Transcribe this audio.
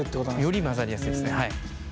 より混ざりやすいですね。